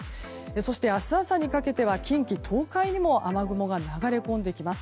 そして明日朝にかけて近畿・東海にも雨雲が流れ込んできます。